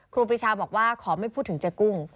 ครูปีชาบอกว่าขอไม่พูดถึงเจ๊กุ้ง